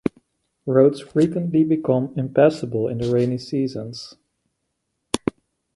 Roads frequently become impassable in the rainy seasons.